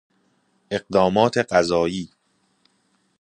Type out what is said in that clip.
اقدامات قضایی